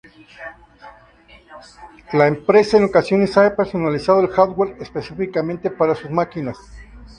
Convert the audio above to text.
La empresa en ocasiones ha personalizado el hardware específicamente para sus máquinas.